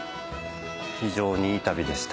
非常にいい旅でした。